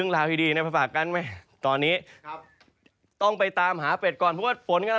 แล้วเปศนี่แหงกว่าอย่างไรแหละ